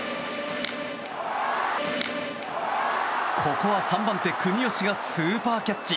ここは３番手、国吉がスーパーキャッチ！